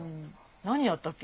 何やったっけ？